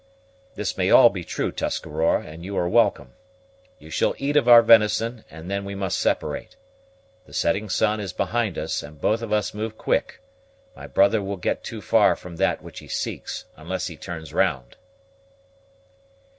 "This may all be true, Tuscarora, and you are welcome. You shall eat of our venison, and then we must separate. The setting sun is behind us, and both of us move quick: my brother will get too far from that which he seeks, unless he turns round."